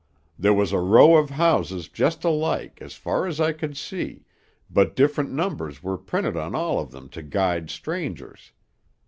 There was a row of houses just alike, as far as I could see, but different numbers were printed on all of them to guide strangers.